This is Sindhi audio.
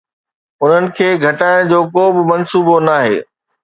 انهن کي گهٽائڻ جو ڪو به منصوبو ناهي